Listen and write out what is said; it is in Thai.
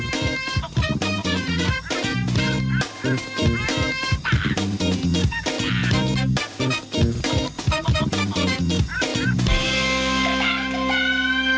เสร็จแล้วค่ะเสร็จแล้วค่ะขอบคุณครับค่ะขอบคุณครับ